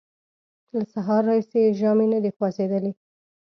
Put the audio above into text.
له سهاره راهیسې یې ژامې نه دې خوځېدلې!